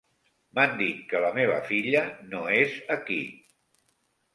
M'han dit que la meva filla no és aquí.